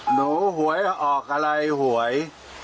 หวยออกอะไรหวย